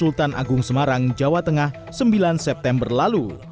sultan agung semarang jawa tengah sembilan september lalu